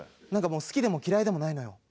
もう好きでも嫌いでもないのよ。